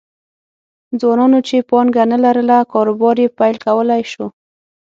ځوانانو چې پانګه نه لرله کاروبار یې پیل کولای شو